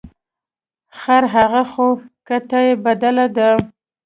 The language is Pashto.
خر هغه خو کته یې بدله ده.